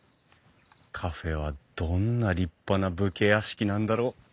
カフェはどんな立派な武家屋敷なんだろう？